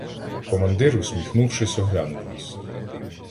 Командир, усміхнувшись, оглянув нас.